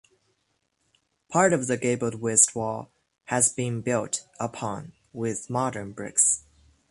Part of the gabled west wall has been built upon with modern bricks.